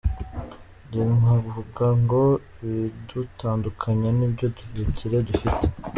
Jye nkavuga ngo ibidutandukanya ni byo bukire dufite.